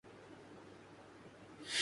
مجھے اسے ملنے کی ضرورت نہ تھی